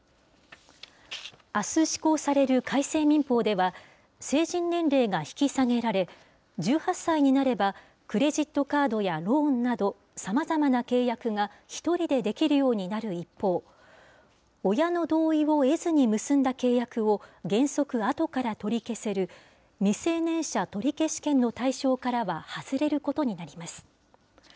あす施行される改正民法では、成人年齢が引き下げられ、１８歳になればクレジットカードやローンなど、さまざまな契約が１人でできるようになる一方、親の同意を得ずに結んだ契約を原則あとから取り消せる、未成年者取消権の対象からは外れることになります。